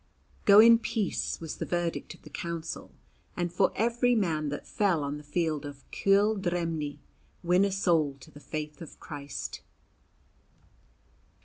"Go in peace," was the verdict of the Council, "and for every man that fell on the field of Cuil dreimhne win a soul to the faith of Christ."